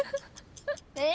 え？